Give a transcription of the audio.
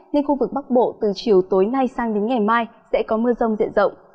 nên khu vực bắc bộ từ chiều tối nay sang đến ngày mai sẽ có mưa rông diện rộng